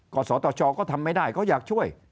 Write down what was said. ศตชก็ทำไม่ได้เขาอยากช่วย